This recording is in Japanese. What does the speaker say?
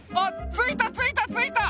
ついたついたついた！